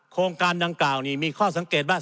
โครงการดังกล่าวนี้มีข้อสังเกตว่า